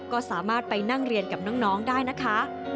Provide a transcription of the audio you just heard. ก็สามารถไปนั่งเรียนกับน้องได้นะคะ